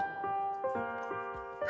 「あ！」